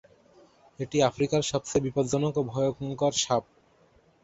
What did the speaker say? এটি আফ্রিকার সবচেয়ে বিপজ্জনক ও ভয়ংকর সাপ।